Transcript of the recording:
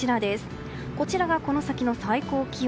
こちら、この先の最高気温。